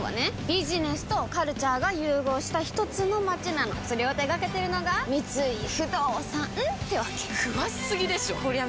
ビジネスとカルチャーが融合したひとつの街なのそれを手掛けてるのが三井不動産ってわけ詳しすぎでしょこりゃ